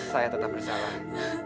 saya tetap bersalah